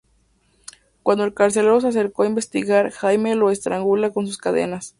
Cuando el carcelero se acerca a investigar, Jaime lo estrangula con sus cadenas.